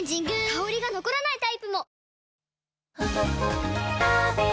香りが残らないタイプも！